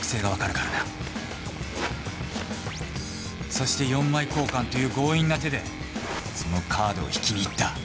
そして４枚交換という強引な手でそのカードを引きにいった。